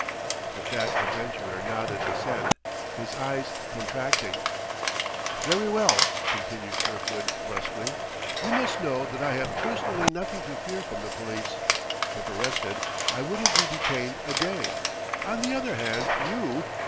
The fat adventurer nodded assent, his eyes contracting. "Very well!" continued Kirkwood brusquely. "You must know that I have personally nothing to fear from the police; if arrested, I wouldn't be detained a day. On the other hand, you